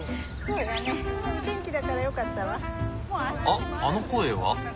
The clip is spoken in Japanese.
あっあの声は。